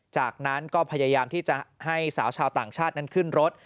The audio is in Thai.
จากนั้นก็พยายามที่จะให้สาวชาวต่างชาตินั้นขึ้นรถ